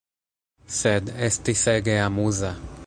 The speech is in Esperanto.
Sed, estis ege amuza.